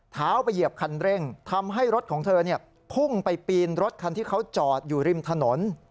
เท้าไปเหยียบคันเร่งทำให้รถของเธอพุ่งไปปีนรถคันที่เขาจอดอยู่ริมถนน